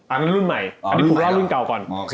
อันนี้รุ่นใหม่อันนี้ผมเล่ารุ่นเก่าก่อน